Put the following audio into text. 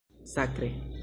Sakre!